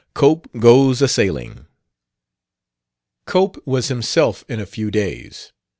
16 COPE GOES A SAILING Cope was himself in a few days.